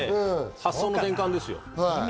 発想の転換ですよ。